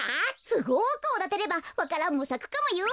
すごくおだてればわか蘭もさくかもよ。